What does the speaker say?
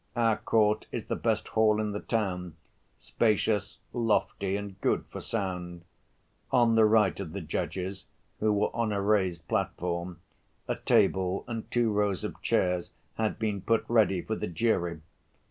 Our court is the best hall in the town—spacious, lofty, and good for sound. On the right of the judges, who were on a raised platform, a table and two rows of chairs had been put ready for the jury.